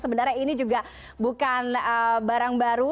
sebenarnya ini juga bukan barang baru